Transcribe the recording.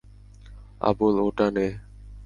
আবুল, ওটা নে।